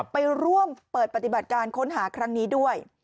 ไปร่วมเปิดปฏิบัติการค้นหาครั้งนี้ด้วย